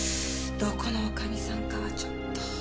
どこの女将さんかはちょっと。